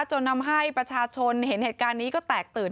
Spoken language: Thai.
จนทำให้ประชาชนเห็นเหตุการณ์นี้ก็แตกตื่น